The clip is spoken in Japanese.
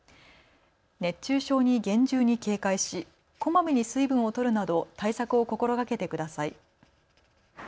熱中症に厳重に警戒しこまめに水分をとるなど対策を心がけてください。